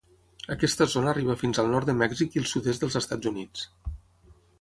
Aquesta zona arriba fins al nord de Mèxic i el sud-est dels Estats Units.